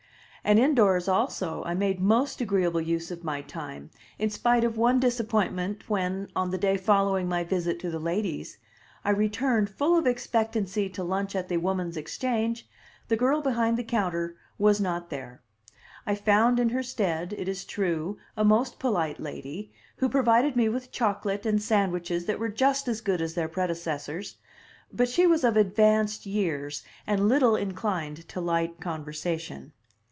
And indoors, also, I made most agreeable use of my time, in spite of one disappointment when, on the day following my visit to the ladies, I returned full of expectancy to lunch at the Woman's exchange, the girl behind the counter was not there. I found in her stead, it is true, a most polite lady, who provided me with chocolate and sandwiches that were just as good as their predecessors; but she was of advanced years, and little inclined to light conversation.